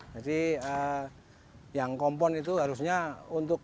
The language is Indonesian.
jadi yang kompon itu harusnya untuk